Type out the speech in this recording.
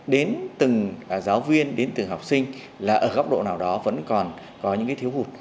đến từng giáo viên đến từ học sinh là ở góc độ nào đó vẫn còn có những thiếu hụt